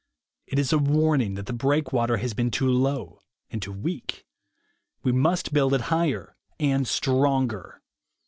It is a warning that the breakwater has been too low and too weak. We must build it higher and stronger.